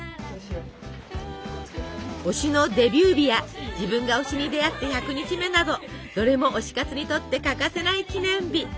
推しのデビュー日や自分が推しに出会って１００日目などどれも推し活にとって欠かせない記念日。